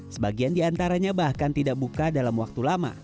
sebagian di antaranya bahkan tidak buka dalam waktu lama